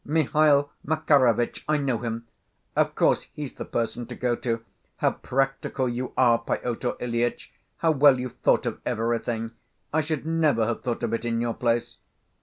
Mihail Makarovitch, I know him. Of course, he's the person to go to. How practical you are, Pyotr Ilyitch! How well you've thought of everything! I should never have thought of it in your place!"